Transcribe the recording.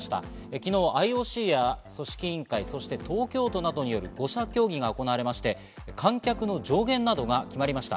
昨日、ＩＯＣや組織委員会、東京都などによる５者協議が行われまして、観客の上限などが決まりました。